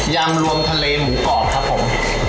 ำรวมทะเลหมูกรอบครับผม